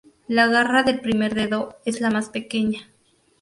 La garra del primer dedo es la más pequeña.